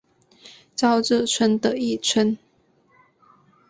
朝日村的一村。